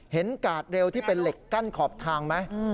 กาดเร็วที่เป็นเหล็กกั้นขอบทางไหม